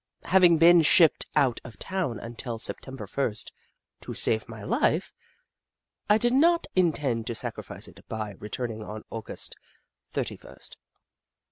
Having been shipped out of town until September first, to save my life, I did not intend to sacrifice it by returning on August thirty first.